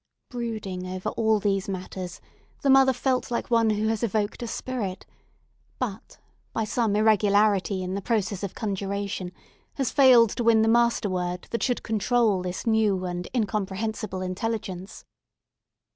Brooding over all these matters, the mother felt like one who has evoked a spirit, but, by some irregularity in the process of conjuration, has failed to win the master word that should control this new and incomprehensible intelligence.